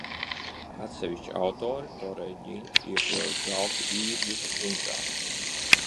Atsevišķi autori toreju ģinti iekļauj galvīvju dzimtā.